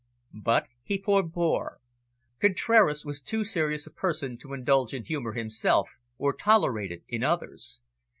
But he forbore. Contraras was too serious a person to indulge in humour himself, or tolerate it in others.